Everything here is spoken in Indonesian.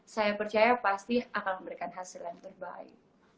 saya percaya pasti akan memberikan hasil yang terbaik